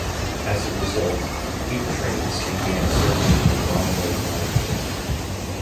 As a result, Q trains began serving the Broadway Line again.